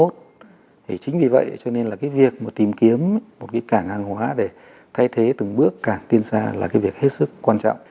thì chính vì vậy cho nên là cái việc mà tìm kiếm một cái cảng hàng hóa để thay thế từng bước cảng tiên sa là cái việc hết sức quan trọng